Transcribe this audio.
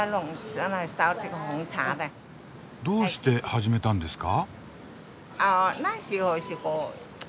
どうして始めたんですか？